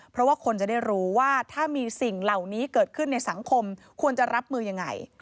เพราะว่าคนจะได้รู้ว่าถ้ามีสิ่งเหล่านี้เกิดขึ้นในสังคมควรจะรับมือยังไง